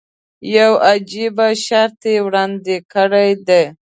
یو عجیب شرط یې وړاندې کړی دی.